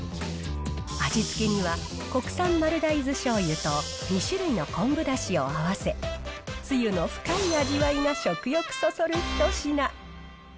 味付けには国産丸大豆しょうゆと２種類の昆布だしを合わせ、つゆの深い味わいが食欲そそる一品。